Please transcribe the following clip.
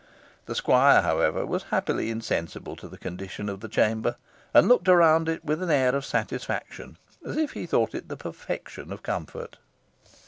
The squire however was, happily, insensible to the condition of the chamber, and looked around it with an air of satisfaction, as if he thought it the perfection of comfort.